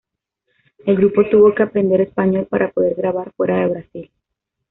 El grupo tuvo que aprender español para poder grabar fuera de Brasil.